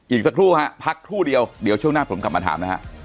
อีกสักครู่ฮะพักครู่เดียวเดี๋ยวช่วงหน้าผมกลับมาถามนะฮะ